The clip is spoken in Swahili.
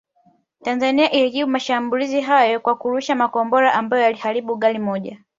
Tanzania ilijibu mashambulizi hayo kwa kurusha makombora ambayo yaliharibu gari moja